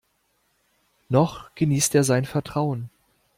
Noch genießt er sein Vertrauen.